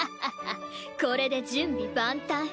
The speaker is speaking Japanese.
これで準備万端。